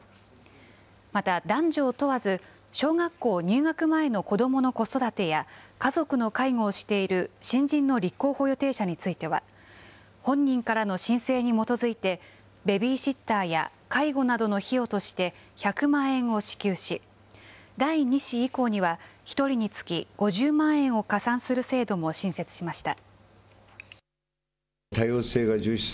また、男女を問わず、小学校入学前の子どもの子育てや、家族の介護をしている新人の立候補予定者については、本人からの申請に基づいて、ベビーシッターや介護などの費用として、１００万円を支給し、第２子以降には１人につき５０万円を加算する制度も新設しました。